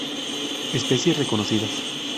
Especies reconocidas